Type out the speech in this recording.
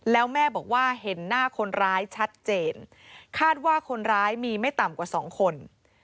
แล้วแม่บอกว่าเห็นหน้าคนร้ายชัดเจนคาดว่าคนร้ายมีไม่ต่ำกว่าสองคน